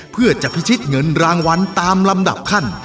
เพื่อจะพิชิตเงินรางวัลตามลำดับขั้น